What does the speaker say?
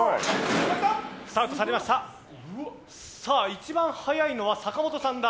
一番早いのは坂本さんだ。